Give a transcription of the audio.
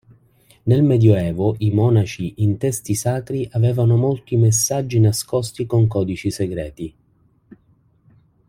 Nel Medioevo i monaci in testi sacri avevano molti messaggi nascosti con codici segreti.